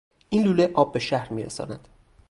این لوله آب به شهر میرساند.